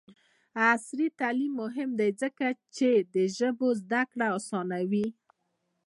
عصري تعلیم مهم دی ځکه چې د ژبو زدکړه اسانوي.